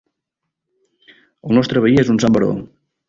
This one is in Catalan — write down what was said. El nostre veí és un sant baró.